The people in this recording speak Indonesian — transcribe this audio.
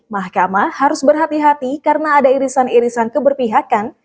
mahkamah harus berhati hati karena ada irisan irisan keberpihakan